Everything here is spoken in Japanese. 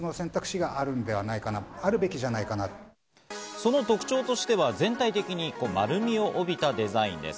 その特徴としては全体的に丸みを帯びたデザインです。